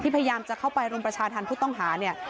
ที่้ยิ่งจะชอบจะเข้าไปร่วมประชาทธรรมพุทธต้องหาเนี่ย